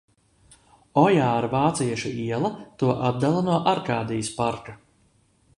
Ojāra Vācieša iela to atdala no Arkādijas parka.